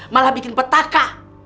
malah bikin petaka